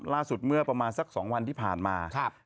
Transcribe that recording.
เมื่อประมาณสัก๒วันที่ผ่านมา